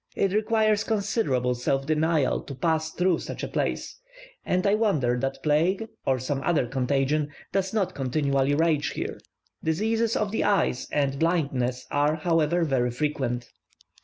It requires considerable self denial to pass through such a place, and I wonder that plague, or some other contagion, does not continually rage there. Diseases of the eyes and blindness are, however, very frequent.